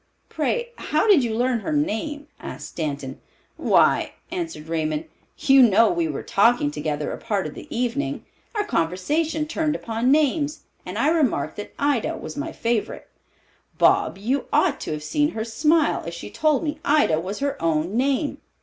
Pray, how did you learn her name?" asked Stanton. "Why," answered Raymond, "you know we were talking together a part of the evening. Our conversation turned upon names, and I remarked that Ida was my favorite. Bob, you ought to have seen her smile as she told me Ida was her own name.